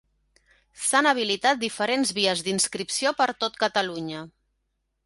S'han habilitat diferents vies d'inscripció per tot Catalunya.